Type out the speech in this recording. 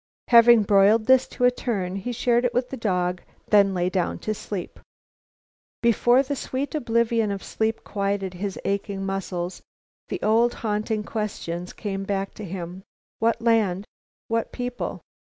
Having broiled this to a turn, he shared it with the dog, then lay down to sleep. Before the sweet oblivion of sleep quieted his aching muscles, the old haunting questions came back to him, "What land? What people?"